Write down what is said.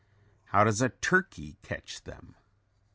How does a turkey catch them?